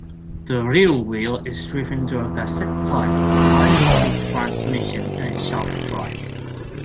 The rear wheel is driven through a cassette-type five-speed transmission and shaft drive.